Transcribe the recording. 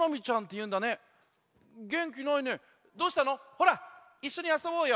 ほらいっしょにあそぼうよ！